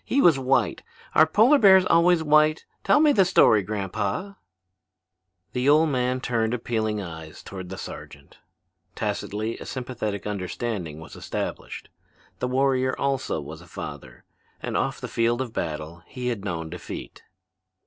He was white. Are polar bears always white? Tell me the story, grandpa." The old man turned appealing eyes toward the sergeant. Tacitly a sympathetic understanding was established. The warrior also was a father, and off the field of battle he had known defeat.